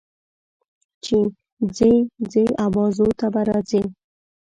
چې ځې، ځې ابازوی ته به راځې.